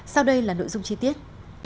sau đây là nội dung chi tiết